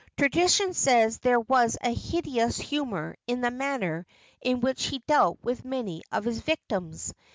Tradition says there was a hideous humor in the manner in which he dealt with many of his victims.